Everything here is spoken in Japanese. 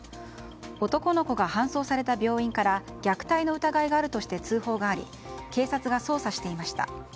男の子が搬送された病院から虐待の疑いがあるとして通報があり警察が捜査していました。